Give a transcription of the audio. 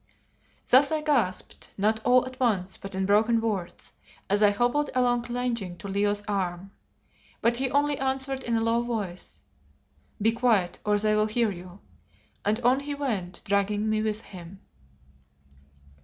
Thus I gasped, not all at once, but in broken words, as I hobbled along clinging to Leo's arm. But he only answered in a low voice "Be quiet, or they will hear you," and on he went, dragging me with him.